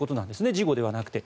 事後ではなくて。